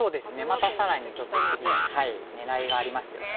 また更にちょっと次狙いがありますよね。